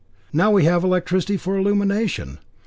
Now we have electricity for illumination.